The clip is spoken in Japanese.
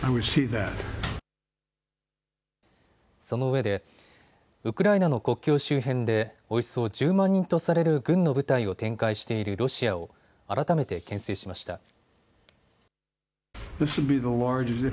そのうえでウクライナの国境周辺でおよそ１０万人とされる軍の部隊を展開しているロシアを改めてけん制しました。